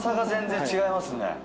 全然違いますね。